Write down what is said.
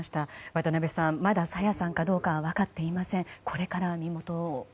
渡辺さんまだ朝芽さんかどうか分かっていません。